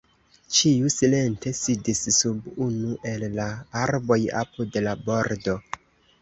Ĉiu silente sidis sub unu el la arboj apud la bordo.